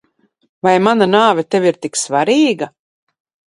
Vai mana nāve tev ir tik svarīga?